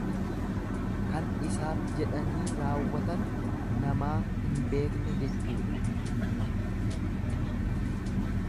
Kan isaaf jedhanii raawwatan namaa hin beekne jechuudha.